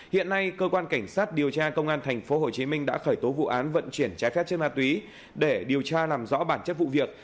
hiện nay cơ quan cảnh sát điều tra công an tp hcm đã khởi tố vụ án vận chuyển trái phép chất ma túy để điều tra làm rõ bản chất vụ việc